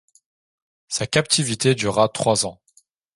Sa captivité dura trois ans.